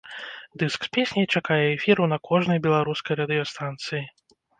Дыск з песняй чакае эфіру на кожнай беларускай радыёстанцыі.